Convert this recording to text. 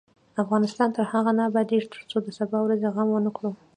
افغانستان تر هغو نه ابادیږي، ترڅو د سبا ورځې غم ونکړو.